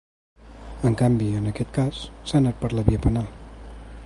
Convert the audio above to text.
En canvi, en aquest cas s’ha anat per la via penal.